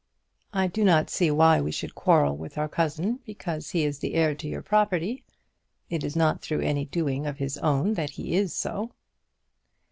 I do not see why we should quarrel with our cousin because he is the heir to your property. It is not through any doing of his own that he is so."